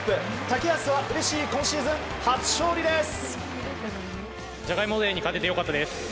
竹安はうれしい今シーズン初勝利です。